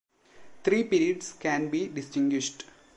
Three periods can be distinguished.